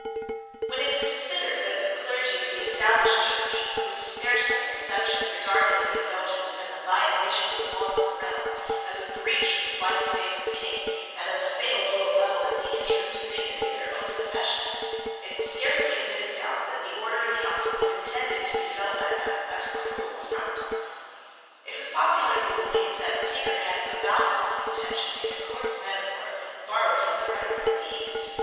When it is considered that the clergy of the Established Church, with scarcely an exception, regarded the Indulgence as a violation of the laws of the realm, as a breach of the plighted faith of the King, and as a fatal blow levelled at the interest and dignity of their own profession, it will scarcely admit of doubt that the Order in Council was intended to be felt by them as a cruel affront. It was popularly believed that Petre had avowed this intention in a coarse metaphor borrowed from the rhetoric of the East.